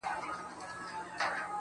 د سه شنبې د ورځې بنگ چي لا په ذهن کي دی,